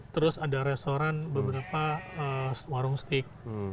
terus ada restoran beberapa warung steak